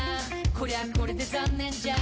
こりゃこれで残念じゃん